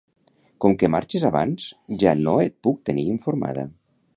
Com que marxes abans ja no et puc tenir informada